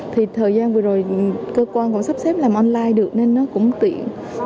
thì thời gian vừa rồi cơ quan còn sắp xếp làm online được nên nó cũng tiện